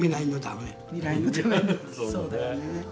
そうだよね。